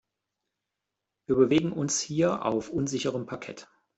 Wir bewegen uns hier auf unsicherem Parkett.